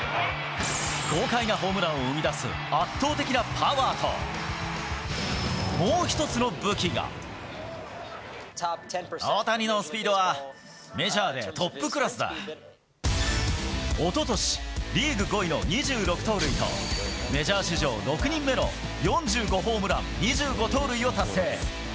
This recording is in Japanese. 豪快なホームランを生み出す圧倒的なパワーと、大谷のスピードは、おととし、リーグ５位の２６盗塁と、メジャー史上６人目の４５ホームラン、２５盗塁を達成。